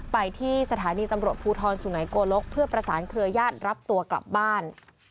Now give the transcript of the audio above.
ไปที่สถานีตำรวจภูทรสุงัยโกลกเพื่อประสานเครือญาติรับตัวกลับบ้าน